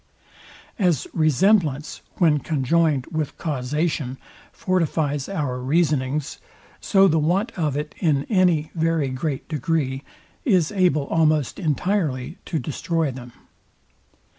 As resemblance, when conjoined with causation, fortifies our reasonings; so the want of it in any very great degree is able almost entirely to destroy them.